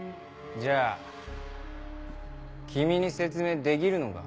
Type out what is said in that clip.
じゃあ君に説明できるのか？